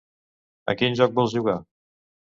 A quin joc vols jugar?